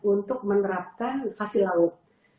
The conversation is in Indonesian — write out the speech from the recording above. untuk menerapkan sasi laut